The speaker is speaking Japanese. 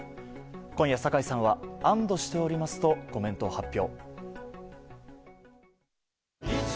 今夜、酒井さんは安堵しておりますとコメントを発表。